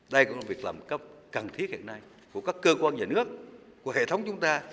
đây cũng là việc làm cần thiết hiện nay của các cơ quan nhà nước của hệ thống chúng ta